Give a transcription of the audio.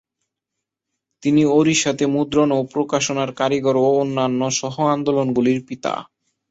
তিনি ওড়িশাতে মুদ্রণ ও প্রকাশনার কারিগর ও অন্যান্য সহ-আন্দোলনগুলির পিতা।